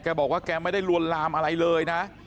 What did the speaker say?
บอกว่าแกไม่ได้ลวนลามอะไรเลยนะ